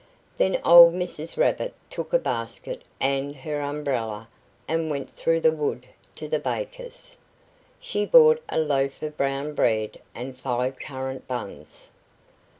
Then old Mrs. Rabbit took a basket and her umbrella and went through the wood to the baker's. She bought a loaf of brown bread and five currant buns.